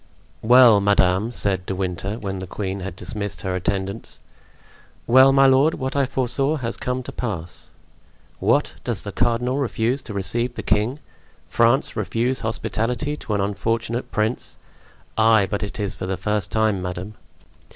Well, madame," said De Winter, when the queen had dismissed her attendants. "Well, my lord, what I foresaw has come to pass." "What? does the cardinal refuse to receive the king? France refuse hospitality to an unfortunate prince? Ay, but it is for the first time, madame!"